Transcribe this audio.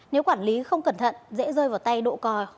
nếu quản lý không cẩn thận dễ rơi vào tay độ cò